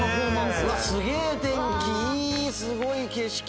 すごい景色。